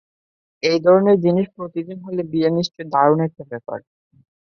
এই ধরনের জিনিস প্রতিদিন হলে বিয়ে নিশ্চয় দারুণ একটা ব্যাপার।